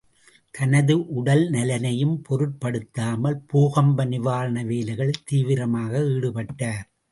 தனது உடல்நலனையும் பொருட்படுத்தாமல், பூகம்ப நிவாரண வேலைகளில் தீவிரமாக ஈடுபட்டார்.